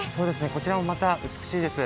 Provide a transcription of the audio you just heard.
こちらもまた美しいです。